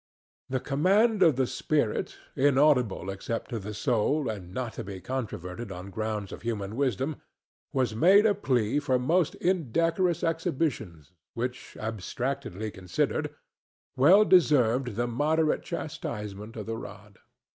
The command of the Spirit, inaudible except to the soul and not to be controverted on grounds of human wisdom, was made a plea for most indecorous exhibitions which, abstractedly considered, well deserved the moderate chastisement of the rod.